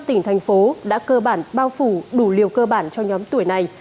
bốn mươi năm tỉnh thành phố đã cơ bản bao phủ đủ liều cơ bản cho nhóm tuổi này